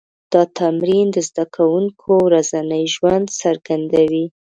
دا تمرین د زده کوونکو ورځنی ژوند څرګندوي.